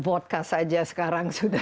buat kas saja sekarang sudah